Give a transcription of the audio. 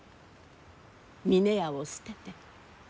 峰屋を捨てて。